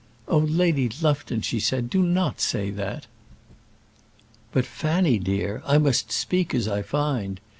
"Oh, Lady Lufton," she said, "do not say that." "But, Fanny, dear, I must speak as I find.